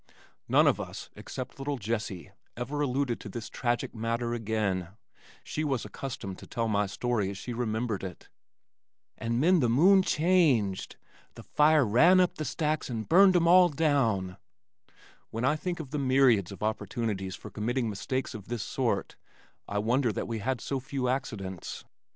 None of us except little Jessie, ever alluded to this tragic matter again; she was accustomed to tell my story as she remembered it, "an 'nen the moon changed the fire ran up the stacks and burned 'em all down " When I think of the myriads of opportunities for committing mistakes of this sort, I wonder that we had so few accidents.